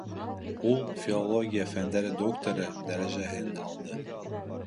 Ул филология фәндәре докторы дәрәжәһен алды